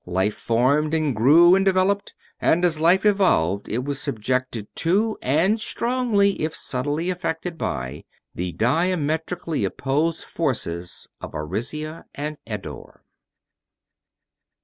Life formed and grew and developed. And as life evolved it was subjected to, and strongly if subtly affected by, the diametrically opposed forces of Arisia and Eddore.